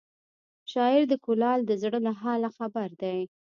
شاعر د کلال د زړه له حاله خبر دی